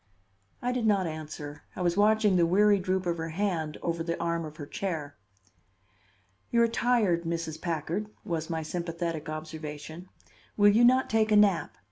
I did not answer; I was watching the weary droop of her hand over the arm of her chair. "You are tired, Mrs. Packard," was my sympathetic observation. "Will you not take a nap?